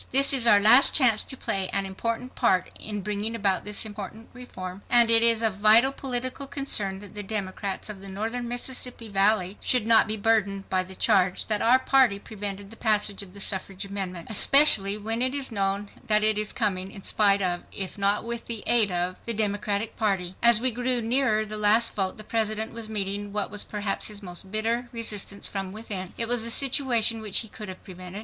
"This is our last chance to play an important part in bringing about this important reform, and it is of vital political concern that the Democrats of the Northern Mississippi Valley should not be burdened by the charge that our party prevented the passage of the suffrage amendment, especially when it is known that it is coming in spite of, if not with the aid of, the Democratic Party." As we grew nearer the last vote the President was meeting what was perhaps his most bitter resistance from within. It was a situation which he could have prevented.